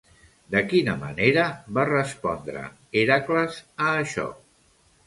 De quina manera va respondre Hèracles a això?